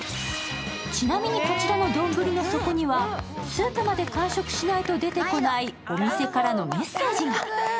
ちなみにこちらの丼の底にはスープまで完食しないと出てこない、お店からのメッセージが。